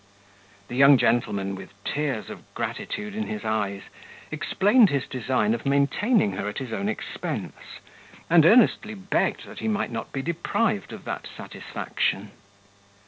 The young gentleman, with tears of gratitude in his eyes, explained his design of maintaining her at his own expense, and earnestly begged that he might not be deprived of that satisfaction.